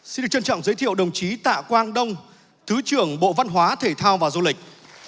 xin được trân trọng giới thiệu đồng chí tạ quang đông thứ trưởng bộ văn hóa thể thao và du lịch